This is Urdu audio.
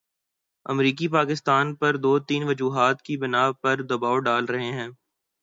امریکی پاکستان پر دو تین وجوہات کی بنا پر دبائو ڈال رہے ہیں۔